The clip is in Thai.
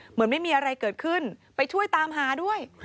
เหมือนไม่มีอะไรเกิดขึ้นไปช่วยตามหาด้วย